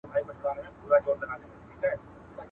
o مرگ په ماړه نس خوند کوي.